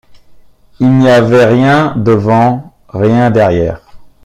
Il n’y avait rien devant, rien derrière.